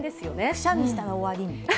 くしゃみしたら終わり。